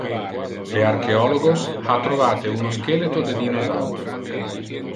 Le archeologos ha trovate uno skeleto de dinosauro.